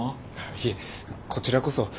いえこちらこそ。